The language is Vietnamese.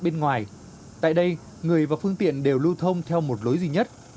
tất cả các phương tiện đều lưu thông theo một lối duy nhất